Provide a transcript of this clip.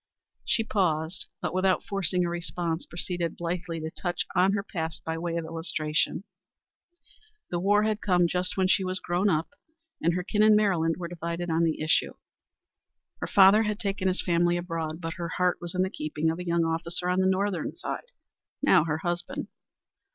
She paused, but without forcing a response, proceeded blithely to touch on her past by way of illustration. The war had come just when she was grown up, and her kin in Maryland were divided on the issue. Her father had taken his family abroad, but her heart was in the keeping of a young officer on the Northern side now her husband.